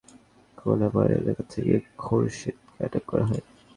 গোপন সূত্রে খবর পেয়ে শুক্রবার কোনাবাড়ী এলাকা থেকে খোরশেদকে আটক করা হয়।